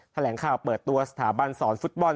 แถลงข่าวเปิดตัวสถาบันสอนฟุตบอล